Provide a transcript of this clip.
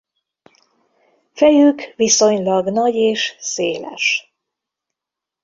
Fejük viszonylag nagy és széles.